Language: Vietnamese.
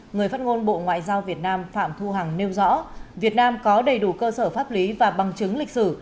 người phát ngôn bộ ngoại giao việt nam phạm thu hằng nêu rõ việt nam có đầy đủ cơ sở pháp lý và bằng chứng lịch sử